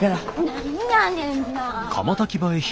何やねんな。